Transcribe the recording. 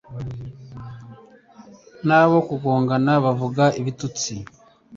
n'abo kugongana bavuga ibitutsi